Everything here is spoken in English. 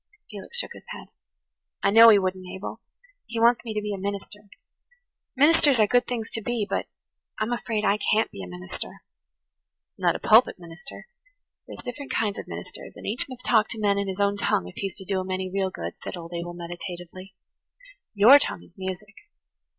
Felix shook his head. "I know he wouldn't, Abel. He wants me to be a minister. Ministers are good things to be, but I'm afraid I can't be a minister." "Not a pulpit minister. There's different kinds of ministers, and each must talk to men in his own tongue if he's going to do 'em any real good," said old Abel meditatively. "Your tongue is music.